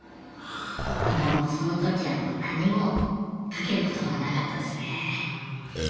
でもうその時はもう何もかける言葉がなかったですね。